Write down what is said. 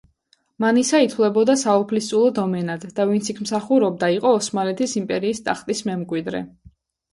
მანისა ითვლებოდა საუფლისწულო დომენად და ვინც იქ მსახურობდა იყო ოსმალეთის იმპერიის ტახტის მემკვიდრე.